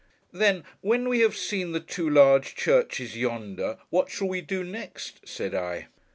'Then, when we have seen the two large churches yonder, what shall we do next?' said I.